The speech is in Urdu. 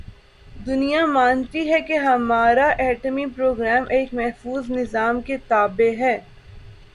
دنیا مانتی ہے کہ ہمارا ایٹمی پروگرام ایک محفوظ نظام کے تابع ہے۔